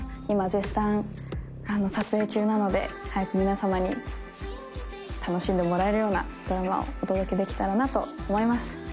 今絶賛撮影中なので早く皆様に楽しんでもらえるようなドラマをお届けできたらなと思います